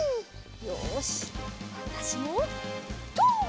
よしわたしもとうっ！